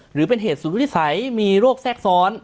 หรือเป็นเหตุสุดวิสัยมีโรคแทรกซ้อน